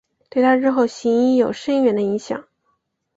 对她日后行医有深远的影响。